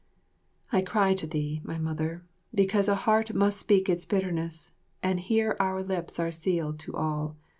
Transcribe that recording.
I cry to thee, my Mother, because a heart must speak its bitterness, and here our lips are sealed to all.